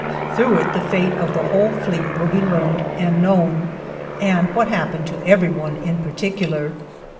Through it the fate of the whole fleet will be learned and known, and what happened to every one in particular.